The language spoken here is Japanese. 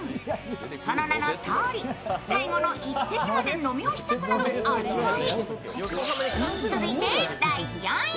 その名のとおり、最後の一滴まで飲み干したくなる味わい。